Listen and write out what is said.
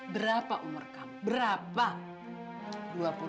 berapa umur kamu berapa